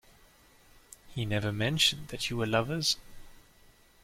He never mentioned that you were lovers.